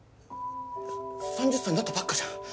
３０歳になったばっかじゃん。